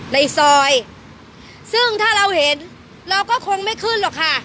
ในซอยซึ่งถ้าเราเห็นเราก็คงไม่ขึ้นหรอกค่ะ